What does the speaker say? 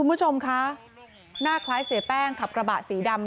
คุณผู้ชมคะหน้าคล้ายเสียแป้งขับกระบะสีดำ